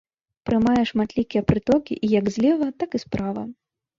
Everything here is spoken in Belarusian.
Прымае шматлікія прытокі як злева, так і справа.